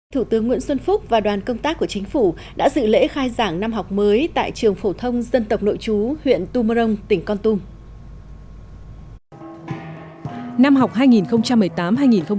thủ tướng nguyễn xuân phúc và đoàn công tác của chính phủ đã dự lễ khai giảng năm học mới tại trường phổ thông dân tộc nội chú huyện tu mơ rông tỉnh con tùng